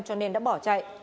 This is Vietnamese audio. cho nên đã bỏ chạy